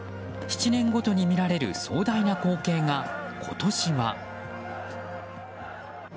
７年ごとにみられる壮大な光景が、今年は。